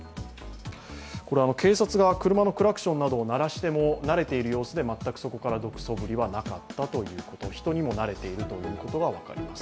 これは警察が車のクラクションなどを鳴らしても慣れている様子で全くそこから動くそぶりはなかった、人にも慣れているということが分かります。